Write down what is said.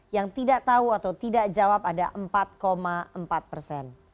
yang tidak tahu atau tidak jawab ada empat empat persen